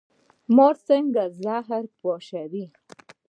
مار څنګه زهر پاشي؟